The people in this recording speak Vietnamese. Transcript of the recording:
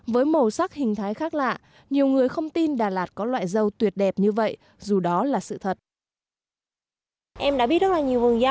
với màu sắc hình thái khác lạc dâu có thể được tạo ra trong khu vườn